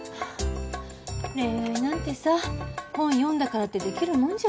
恋愛なんてさ本読んだからって出来るもんじゃ。